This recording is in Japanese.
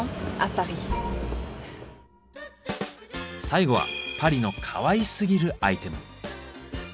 最後はパリのかわいすぎるアイテム。